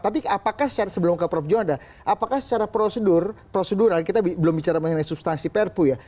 tapi apakah secara sebelum ke prof juanda apakah secara prosedur prosedural kita belum bicara mengenai substansi perpu ya